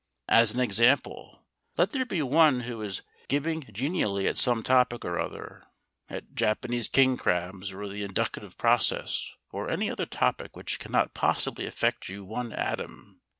As an example, let there be one who is gibing genially at some topic or other, at Japanese king crabs, or the inductive process, or any other topic which cannot possibly affect you one atom.